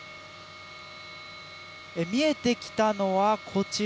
見えてきたのは、こちら。